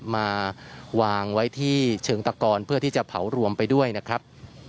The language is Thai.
มาวางไว้ที่เชิงตะกอนเพื่อที่จะเผารวมไปด้วยนะครับ